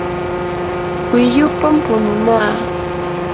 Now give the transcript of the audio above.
wiyupam pununaa.